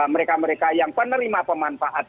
mereka mereka yang penerima pemanfaat